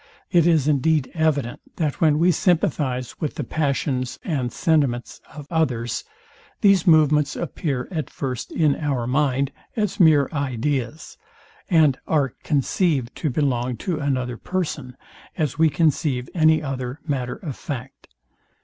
It is indeed evident, that when we sympathize with the passions and sentiments of others, these movements appear at first in our mind as mere ideas, and are conceived to belong to another person, as we conceive any other matter of fact.